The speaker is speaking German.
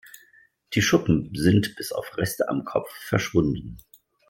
Die Schuppen sind bis auf Reste am Kopf verschwunden.